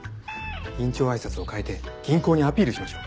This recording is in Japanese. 院長挨拶を変えて銀行にアピールしましょう。